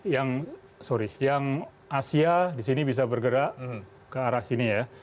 yang sorry yang asia di sini bisa bergerak ke arah sini ya